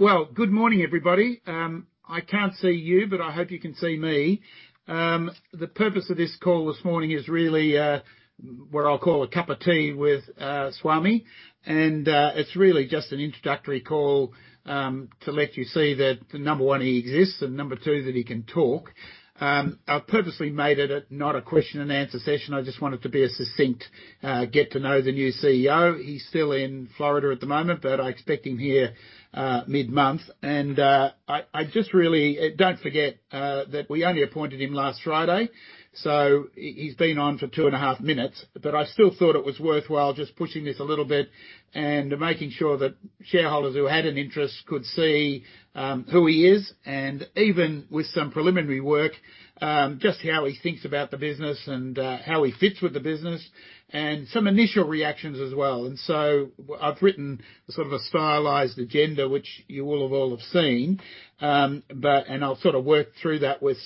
Well, good morning, everybody. I can't see you, but I hope you can see me. The purpose of this call this morning is really what I'll call a cup of tea with Swami. It's really just an introductory call to let you see that, number one, he exists and number two, that he can talk. I've purposely made it not a question and answer session. I just want it to be a succinct get to know the new CEO. He's still in Florida at the moment, but I expect him here mid-month. Don't forget that we only appointed him last Friday, so he's been on for two and a half minutes. I still thought it was worthwhile just pushing this a little bit and making sure that shareholders who had an interest could see who he is and even with some preliminary work just how he thinks about the business and how he fits with the business and some initial reactions as well. I've written sort of a stylized agenda, which you will all have seen, but I'll sort of work through that with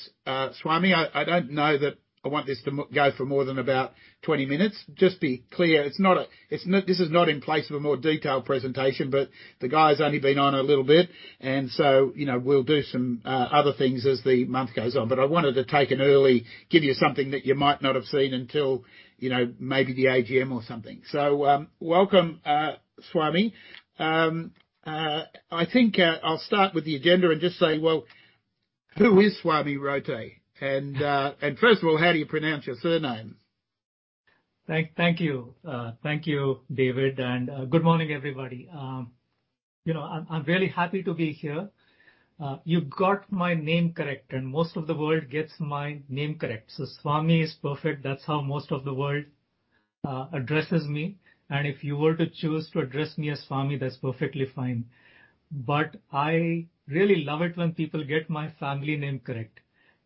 Swami. I don't know that I want this to go for more than about 20 minutes. Just be clear, it's not. This is not in place of a more detailed presentation, but the guy's only been on a little bit. You know, we'll do some other things as the month goes on. I wanted to give you something that you might not have seen until, you know, maybe the AGM or something. Welcome, Swami. I think I'll start with the agenda and just say, well, who is Swami Raote? And first of all, how do you pronounce your surname? Thank you. Thank you, David. Good morning, everybody. You know, I'm very happy to be here. You got my name correct, and most of the world gets my name correct. Swami is perfect. That's how most of the world addresses me. If you were to choose to address me as Swami, that's perfectly fine. I really love it when people get my family name correct.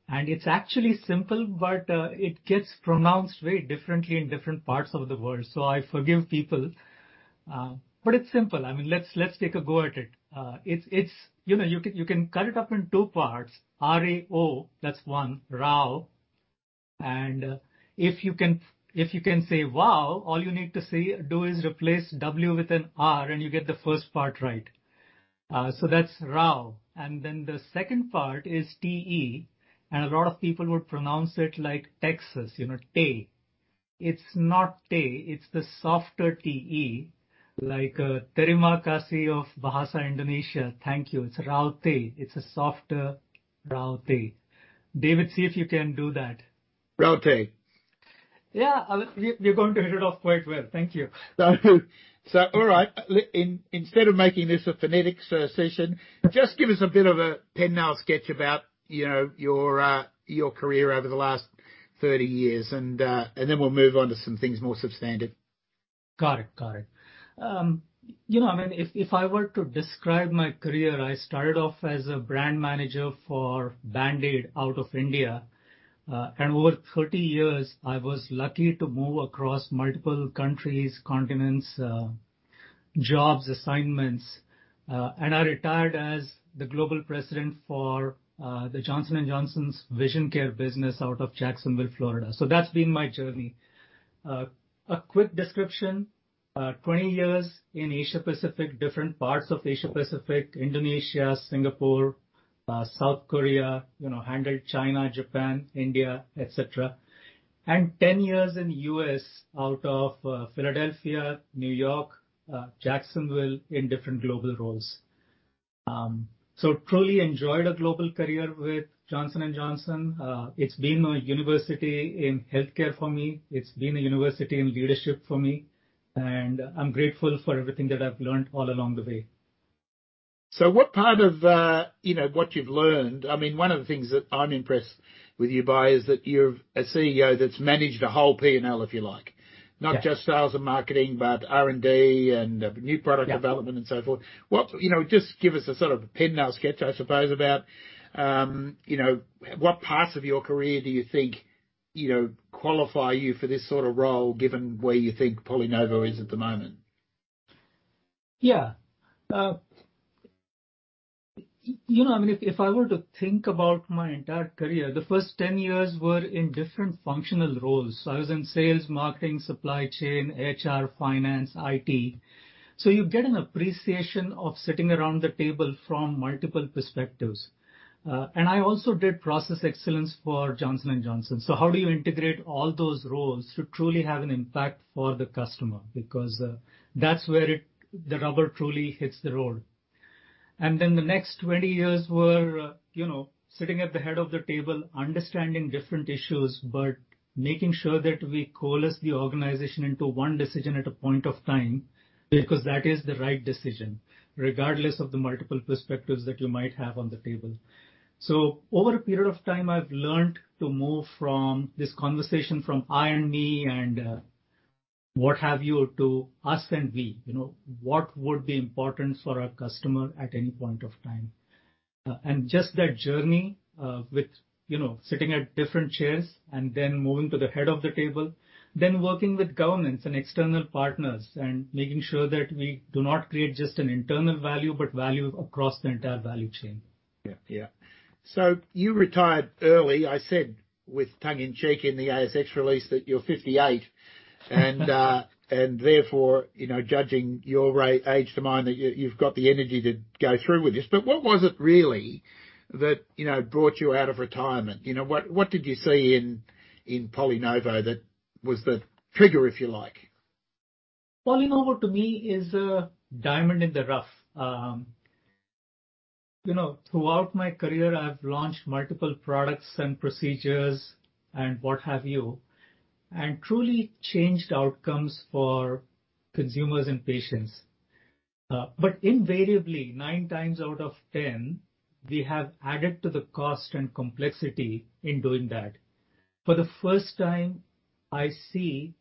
It's actually simple, but it gets pronounced very differently in different parts of the world. I forgive people, but it's simple. I mean, let's take a go at it. It's. You know, you can cut it up in two parts. R-A-O, that's one, Rao. If you can say, wow, all you need to do is replace W with an R, and you get the first part right. So that's Rao. Then the second part is T-E, and a lot of people would pronounce it like Texas, you know, Te. It's not Te, it's the softer T-E, like terima kasih of Bahasa Indonesia. Thank you. It's Rao Te. It's a softer Rao Te. David, see if you can do that. Raote. Yeah. We're going to hit it off quite well. Thank you. All right. Instead of making this a frenetic session, just give us a bit of a pencil sketch about, you know, your career over the last 30 years, and then we'll move on to some things more substantive. Got it. You know, I mean, if I were to describe my career, I started off as a brand manager for Band-Aid out of India. Over 30 years, I was lucky to move across multiple countries, continents, jobs, assignments, and I retired as the global president for the Johnson & Johnson's Vision Care business out of Jacksonville, Florida. That's been my journey. A quick description, 20 years in Asia Pacific, different parts of Asia Pacific, Indonesia, Singapore, South Korea, you know, handled China, Japan, India, et cetera. 10 years in U.S. out of Philadelphia, New York, Jacksonville in different global roles. Truly enjoyed a global career with Johnson & Johnson. It's been my university in healthcare for me. It's been a journey in leadership for me, and I'm grateful for everything that I've learned all along the way. What part of, you know, what you've learned, I mean, one of the things that I'm impressed with you by is that you're a CEO that's managed a whole P&L, if you like. Yeah. Not just sales and marketing, but R&D and new product development. Yeah. What? You know, just give us a sort of pencil sketch, I suppose, about, you know, what parts of your career do you think, you know, qualify you for this sort of role, given where you think PolyNovo is at the moment? Yeah. You know, I mean, if I were to think about my entire career, the first 10 years were in different functional roles. I was in sales, marketing, supply chain, HR, finance, IT. You get an appreciation of sitting around the table from multiple perspectives. I also did process excellence for Johnson & Johnson. How do you integrate all those roles to truly have an impact for the customer? Because that's where the rubber truly hits the road. Then the next 20 years were, you know, sitting at the head of the table, understanding different issues, but making sure that we coalesce the organization into one decision at a point of time, because that is the right decision, regardless of the multiple perspectives that you might have on the table. Over a period of time, I've learned to move this conversation from I and me and, what have you, to us and we. You know, what would be important for our customer at any point of time? Just that journey with, you know, sitting at different chairs and then moving to the head of the table, then working with governments and external partners and making sure that we do not create just an internal value, but value across the entire value chain. Yeah. Yeah. You retired early. I said, with tongue in cheek in the ASX release, that you're 58. And therefore, you know, judging your age to mine, that you've got the energy to go through with this. But what was it really that, you know, brought you out of retirement? You know, what did you see in PolyNovo that was the trigger, if you like? PolyNovo to me is a diamond in the rough. You know, throughout my career I've launched multiple products and procedures and what have you, and truly changed outcomes for consumers and patients. Invariably nine times out of ten, we have added to the cost and complexity in doing that. For the first time, I see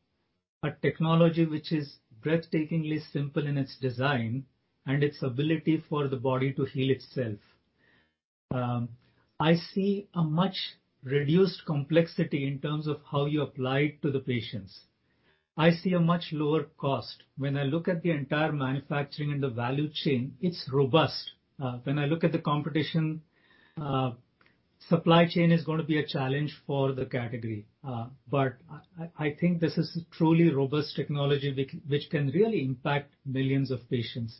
a technology which is breathtakingly simple in its design and its ability for the body to heal itself. I see a much reduced complexity in terms of how you apply it to the patients. I see a much lower cost. When I look at the entire manufacturing and the value chain, it's robust. When I look at the competition, supply chain is gonna be a challenge for the category. I think this is truly robust technology which can really impact millions of patients.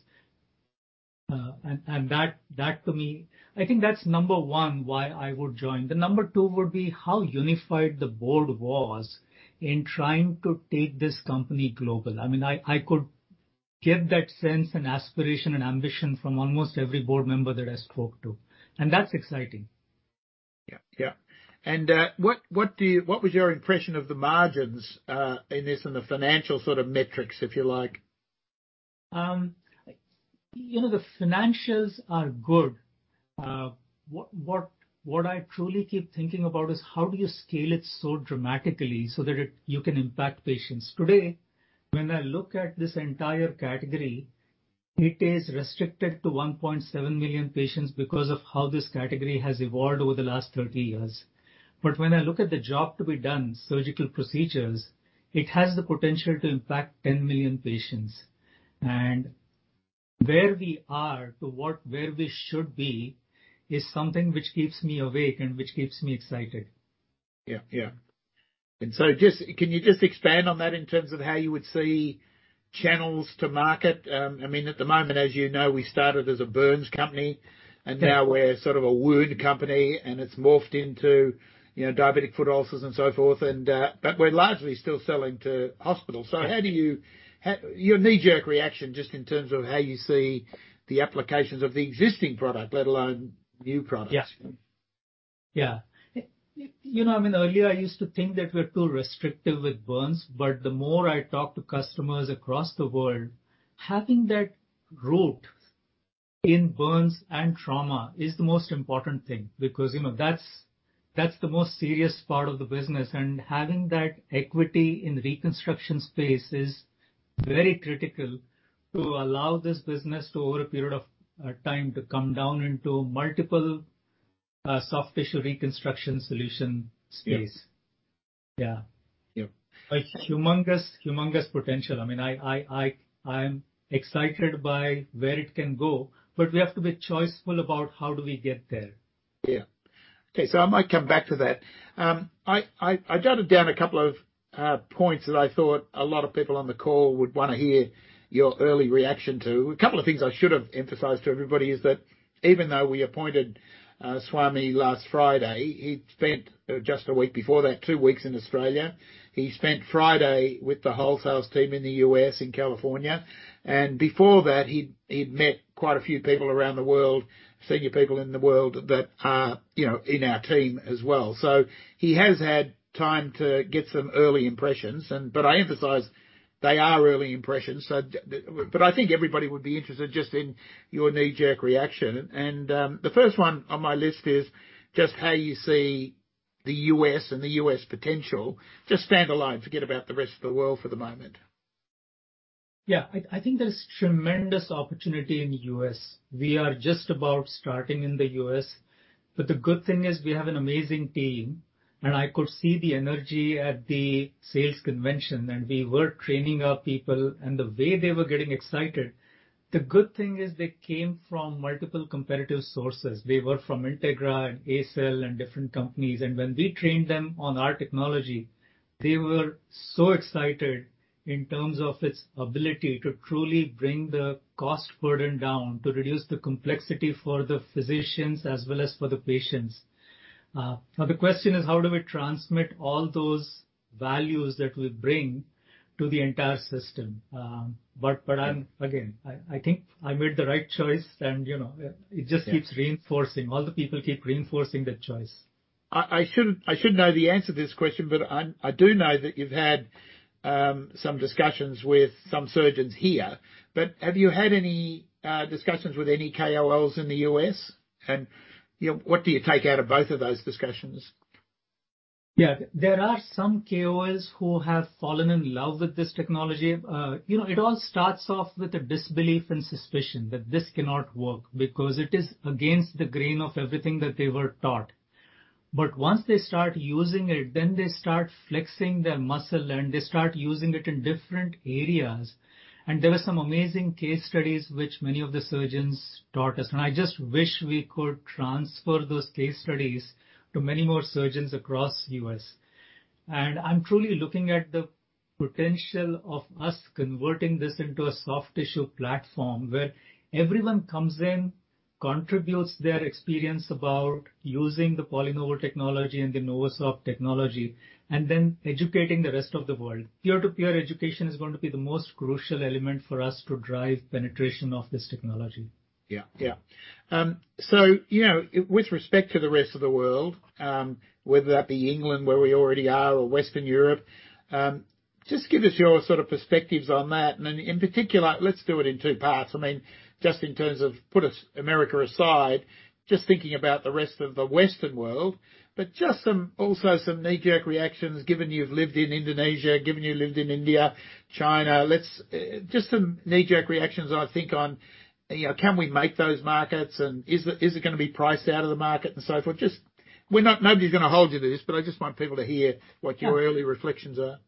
That, to me, I think that's number one why I would join. The number two would be how unified the board was in trying to take this company global. I mean, I could get that sense and aspiration and ambition from almost every board member that I spoke to, and that's exciting. What was your impression of the margins in this and the financial sort of metrics, if you like? You know, the financials are good. What I truly keep thinking about is how do you scale it so dramatically so that you can impact patients? Today, when I look at this entire category, it is restricted to 1.7 million patients because of how this category has evolved over the last 30 years. When I look at the job to be done, surgical procedures, it has the potential to impact 10 million patients. Where we are to where we should be is something which keeps me awake and which keeps me excited. Yeah. Can you just expand on that in terms of how you would see channels to market? I mean, at the moment, as you know, we started as a burns company, and now we're sort of a wound company, and it's morphed into, you know, diabetic foot ulcers and so forth. We're largely still selling to hospitals. Your knee-jerk reaction just in terms of how you see the applications of the existing product, let alone new products. Yeah. You know, I mean, earlier I used to think that we're too restrictive with burns, but the more I talk to customers across the world, having that root in burns and trauma is the most important thing because, you know, that's the most serious part of the business. Having that equity in reconstruction space is very critical to allow this business to over a period of time to come down into multiple soft tissue reconstruction solution space. Yeah. Yeah. Yeah. A humongous potential. I mean, I'm excited by where it can go, but we have to be choiceful about how do we get there? Yeah. Okay, so I might come back to that. I jotted down a couple of points that I thought a lot of people on the call would wanna hear your early reaction to. A couple of things I should have emphasized to everybody is that even though we appointed Swami last Friday, he'd spent just a week before that, two weeks in Australia. He spent Friday with the sales team in the U.S., in California, and before that, he'd met quite a few people around the world, senior people in the world that are, you know, in our team as well. He has had time to get some early impressions, but I emphasize they are early impressions. But I think everybody would be interested just in your knee-jerk reaction. The first one on my list is just how you see the U.S. and the U.S. potential, just stand alone, forget about the rest of the world for the moment. I think there's tremendous opportunity in the US. We are just about starting in the US, but the good thing is we have an amazing team, and I could see the energy at the sales convention, and we were training our people, and the way they were getting excited. The good thing is they came from multiple competitive sources. They were from Integra and ACell and different companies. When we trained them on our technology, they were so excited in terms of its ability to truly bring the cost burden down, to reduce the complexity for the physicians as well as for the patients. Now the question is how do we transmit all those values that we bring to the entire system? But I'm Yeah. Again, I think I made the right choice and, you know, it just keeps. Yeah. Reinforcing. All the people keep reinforcing that choice. I should know the answer to this question, but I do know that you've had some discussions with some surgeons here. Have you had any discussions with any KOLs in the U.S.? You know, what do you take out of both of those discussions? Yeah. There are some KOLs who have fallen in love with this technology. It all starts off with a disbelief and suspicion that this cannot work because it is against the grain of everything that they were taught. Once they start using it, then they start flexing their muscle and they start using it in different areas. There are some amazing case studies which many of the surgeons taught us, and I just wish we could transfer those case studies to many more surgeons across U.S. I'm truly looking at the potential of us converting this into a soft tissue platform where everyone comes in, contributes their experience about using the PolyNovo technology and the NovoSorb technology, and then educating the rest of the world. Peer-to-peer education is going to be the most crucial element for us to drive penetration of this technology. Yeah. So, you know, with respect to the rest of the world, whether that be England, where we already are, or Western Europe, just give us your sort of perspectives on that. In particular, let's do it in two parts. I mean, just in terms of put it, America aside, just thinking about the rest of the Western world, but just some, also some knee-jerk reactions, given you've lived in Indonesia, given you lived in India, China. Let's just some knee-jerk reactions, I think on, you know, can we make those markets and is it gonna be priced out of the market and so forth. Nobody's gonna hold you to this, but I just want people to hear what your early reflections are.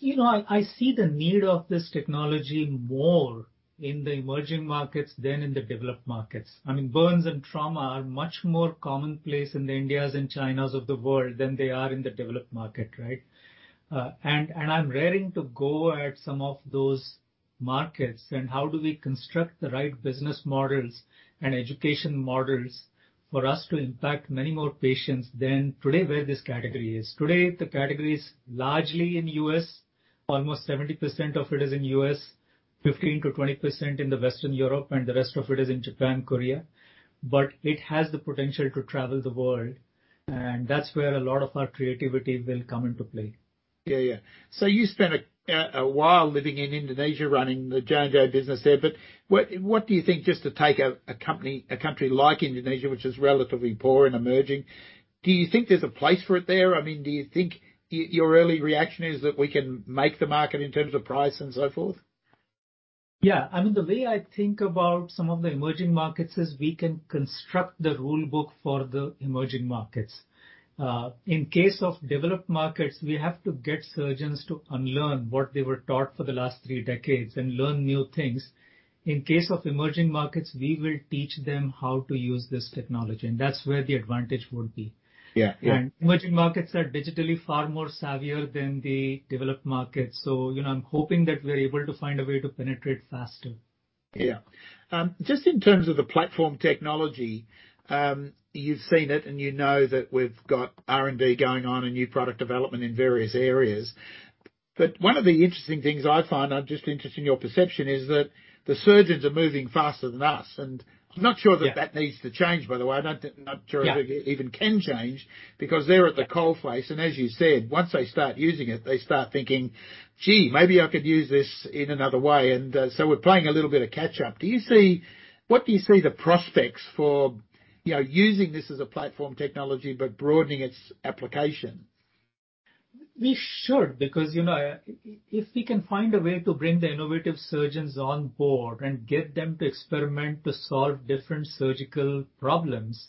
You know, I see the need of this technology more in the emerging markets than in the developed markets. I mean, burns and trauma are much more commonplace in the Indias and Chinas of the world than they are in the developed market, right? I'm raring to go at some of those markets and how do we construct the right business models and education models for us to impact many more patients than today where this category is. Today, the category is largely in U.S. Almost 70% of it is in U.S., 15% to 20% in the Western Europe, and the rest of it is in Japan, Korea. It has the potential to travel the world, and that's where a lot of our creativity will come into play. Yeah, yeah. You spent a while living in Indonesia running the J&J business there. What do you think, just to take a country like Indonesia, which is relatively poor and emerging, do you think there's a place for it there? I mean, do you think your early reaction is that we can make the market in terms of price and so forth? Yeah. I mean, the way I think about some of the emerging markets is we can construct the rule book for the emerging markets. In case of developed markets, we have to get surgeons to unlearn what they were taught for the last three decades and learn new things. In case of emerging markets, we will teach them how to use this technology, and that's where the advantage would be. Yeah. Yeah. Emerging markets are digitally far more savvier than the developed markets. You know, I'm hoping that we're able to find a way to penetrate faster. Yeah. Just in terms of the platform technology, you've seen it, and you know that we've got R&D going on and new product development in various areas. One of the interesting things I find, I'm just interested in your perception, is that the surgeons are moving faster than us, and I'm not sure that that needs to change, by the way. I'm not sure if it even can change because they're at the coalface, and as you said, once they start using it, they start thinking, "Gee, maybe I could use this in another way." We're playing a little bit of catch-up. What do you see the prospects for, you know, using this as a platform technology, but broadening its application? We should, because, you know, if we can find a way to bring the innovative surgeons on board and get them to experiment to solve different surgical problems,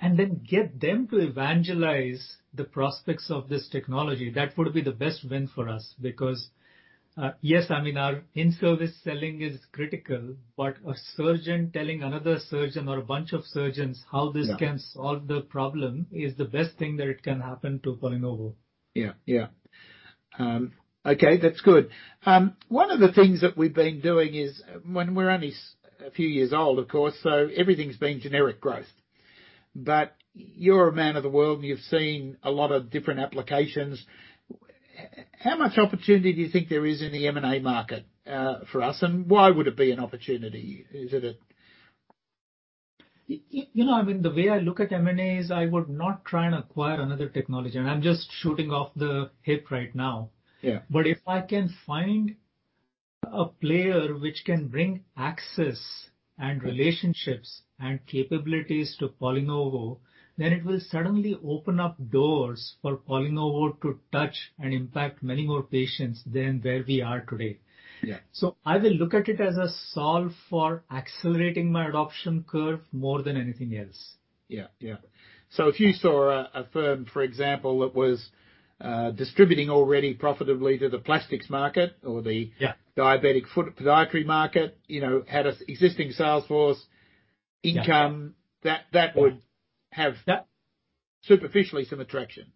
and then get them to evangelize the prospects of this technology, that would be the best win for us. Because, yes, I mean, our in-service selling is critical, but a surgeon telling another surgeon or a bunch of surgeons how this can solve the problem is the best thing that it can happen to PolyNovo. Yeah. Yeah. Okay, that's good. One of the things that we've been doing is when we're only a few years old, of course, so everything's been generic growth. You're a man of the world, and you've seen a lot of different applications. How much opportunity do you think there is in the M&A market, for us, and why would it be an opportunity? Is it a You know, I mean, the way I look at M&A is I would not try and acquire another technology, and I'm just shooting off the hip right now. Yeah. If I can find a player which can bring access and relationships and capabilities to PolyNovo, then it will suddenly open up doors for PolyNovo to touch and impact many more patients than where we are today. Yeah. I will look at it as a solve for accelerating my adoption curve more than anything else. Yeah. Yeah. If you saw a firm, for example, that was distributing already profitably to the plastics market or the— Yeah. Diabetic foot, podiatry market, you know, had a existing sales force income, that would have superficially some attraction.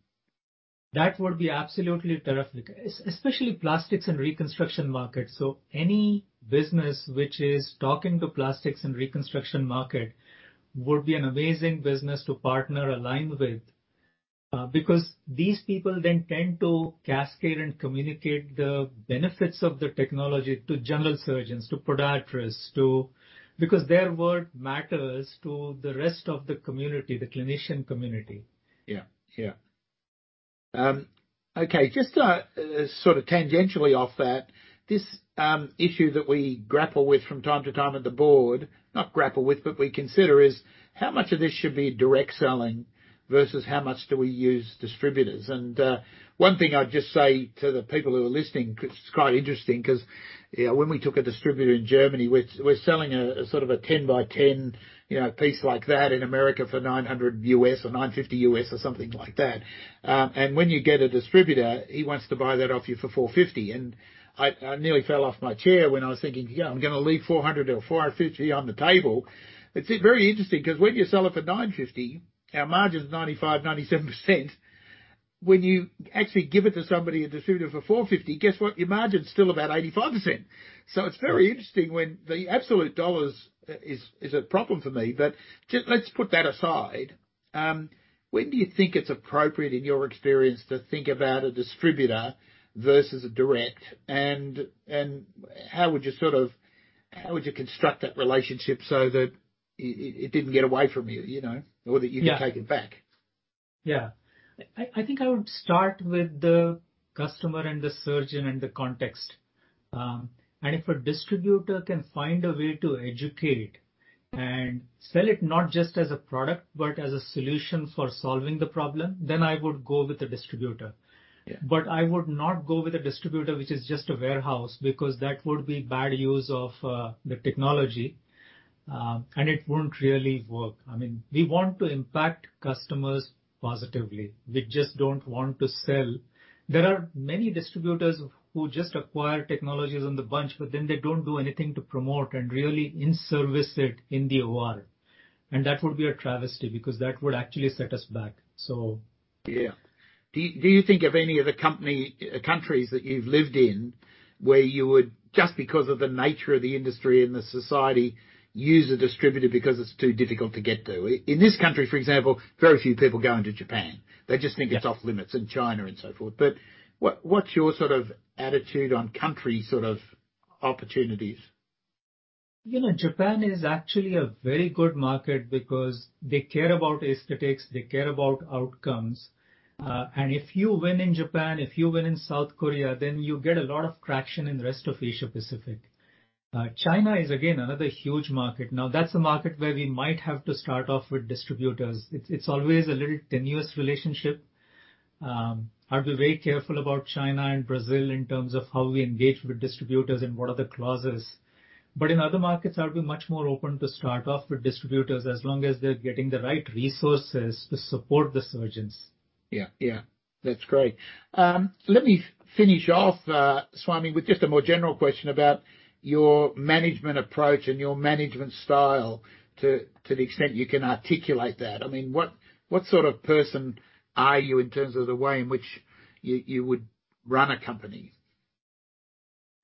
That would be absolutely terrific, especially Plastics and Reconstruction market. Any business which is talking to Plastics and Reconstruction market would be an amazing business to partner, align with, because these people then tend to cascade and communicate the benefits of the technology to general surgeons, to podiatrists. Because their word matters to the rest of the community, the clinician community. Yeah. Yeah. Okay. Just sort of tangentially off that, this issue that we grapple with from time to time at the board, not grapple with, but we consider is how much of this should be direct selling versus how much do we use distributors. One thing I'd just say to the people who are listening, 'cause it's quite interesting, 'cause, you know, when we took a distributor in Germany, we're selling a sort of a 10cm x 10cm, you know, piece like that in America for $900 or $950 or something like that. When you get a distributor, he wants to buy that off you for $450. I nearly fell off my chair when I was thinking, "Yeah, I'm gonna leave 400 or 450 on the table." It's very interesting because when you sell it for $950, our margin is 95% to 97%. When you actually give it to somebody, a distributor for $450, guess what? Your margin's still about 85%. It's very interesting when the absolute dollars is a problem for me. Just let's put that aside. When do you think it's appropriate, in your experience, to think about a distributor versus a direct? And how would you construct that relationship so that it didn't get away from you know that you can take it back. Yeah. I think I would start with the customer and the surgeon and the context. If a distributor can find a way to educate and sell it not just as a product, but as a solution for solving the problem, then I would go with the distributor. Yeah. I would not go with a distributor which is just a warehouse, because that would be bad use of the technology. It won't really work. I mean, we want to impact customers positively. We just don't want to sell. There are many distributors who just acquire technologies on the bench, but then they don't do anything to promote and really in-service it in the OR. That would be a travesty because that would actually set us back. Yeah. Do you think of any other countries that you've lived in where you would, just because of the nature of the industry and the society, use a distributor because it's too difficult to get to? In this country, for example, very few people go into Japan. Yeah. They just think it's off-limits, and China and so forth. What's your sort of attitude on country sort of opportunities? You know, Japan is actually a very good market because they care about aesthetics, they care about outcomes. If you win in Japan, if you win in South Korea, then you get a lot of traction in the rest of Asia-Pacific. China is again another huge market. Now, that's a market where we might have to start off with distributors. It's always a little tenuous relationship. I'll be very careful about China and Brazil in terms of how we engage with distributors and what are the clauses. In other markets, I'll be much more open to start off with distributors, as long as they're getting the right resources to support the surgeons. Yeah. Yeah. That's great. Let me finish off, Swami, with just a more general question about your management approach and your management style to the extent you can articulate that. I mean, what sort of person are you in terms of the way in which you would run a company?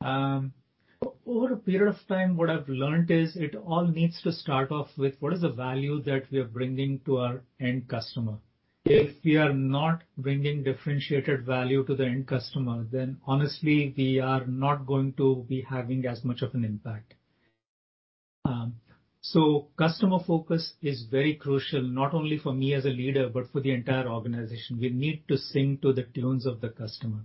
Over a period of time, what I've learned is it all needs to start off with what is the value that we are bringing to our end customer. If we are not bringing differentiated value to the end customer, then honestly, we are not going to be having as much of an impact. Customer focus is very crucial, not only for me as a leader, but for the entire organization. We need to sing to the tunes of the customer.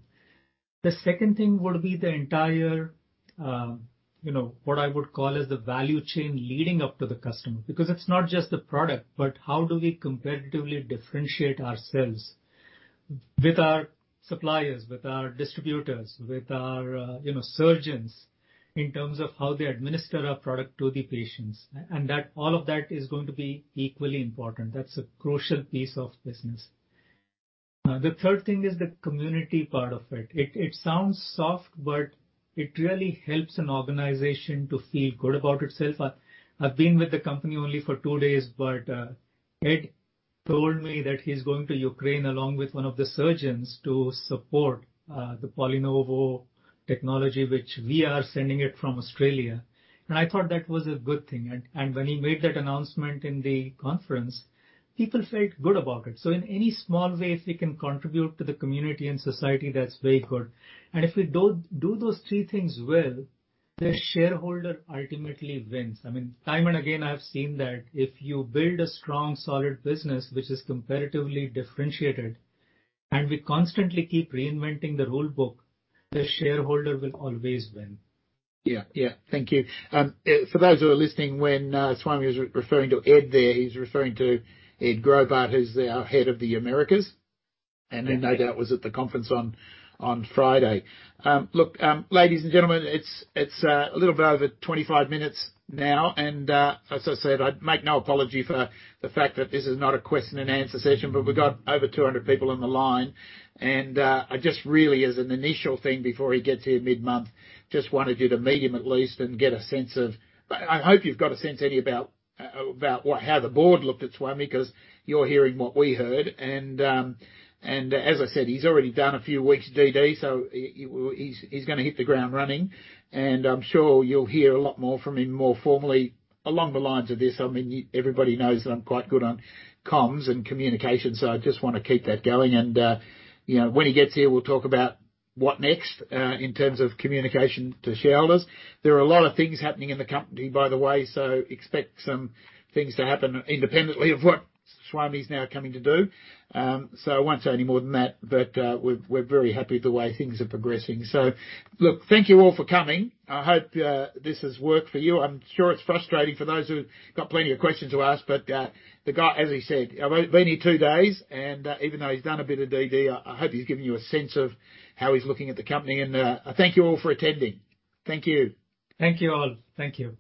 The second thing would be the entire, you know, what I would call as the value chain leading up to the customer, because it's not just the product, but how do we competitively differentiate ourselves with our suppliers, with our distributors, with our, you know, surgeons in terms of how they administer our product to the patients. All of that is going to be equally important. That's a crucial piece of business. The third thing is the community part of it. It sounds soft, but it really helps an organization to feel good about itself. I've been with the company only for two days, but Ed told me that he's going to Ukraine along with one of the surgeons to support the PolyNovo technology, which we are sending it from Australia. I thought that was a good thing. When he made that announcement in the conference, people felt good about it. In any small way, if we can contribute to the community and society, that's very good. If we do those three things well, the shareholder ultimately wins. I mean, time and again, I've seen that if you build a strong, solid business which is comparatively differentiated, and we constantly keep reinventing the rule book, the shareholder will always win. Yeah. Yeah. Thank you. For those who are listening, when Swami was referring to Ed there, he's referring to Edward Graubart, who's our head of the Americas. No doubt was at the conference on Friday. Look, ladies and gentlemen, it's a little bit over 25 minutes now. As I said, I make no apology for the fact that this is not a question and answer session, but we got over 200 people on the line. I just really as an initial thing before he gets here mid-month, just wanted you to meet him at least and get a sense of. I hope you've got a sense, Ed, about how the board looked at Swami, 'cause you're hearing what we heard. As I said, he's already done a few weeks' DD, so he's gonna hit the ground running. I'm sure you'll hear a lot more from him, more formally along the lines of this. I mean, everybody knows that I'm quite good on comms and communication, so I just wanna keep that going. You know, when he gets here, we'll talk about what next in terms of communication to shareholders. There are a lot of things happening in the company, by the way, so expect some things to happen independently of what Swami is now coming to do. I won't say any more than that, but we're very happy with the way things are progressing. Look, thank you all for coming. I hope this has worked for you. I'm sure it's frustrating for those who've got plenty of questions to ask, but the guy, as he said, been here two days, and even though he's done a bit of DD, I hope he's given you a sense of how he's looking at the company. Thank you all for attending. Thank you. Thank you, all. Thank you.